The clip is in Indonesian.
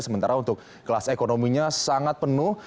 sementara untuk kelas ekonominya sangat penuh